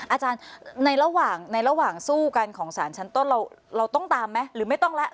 อาจารย์ในระหว่างสู้กันของศาลชั้นต้นเราต้องตามไหมหรือไม่ต้องละ